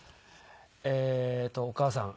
えーっとお母さん。